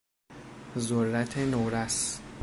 ذرت نورس